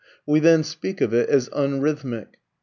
We then speak of it as unrhythmic.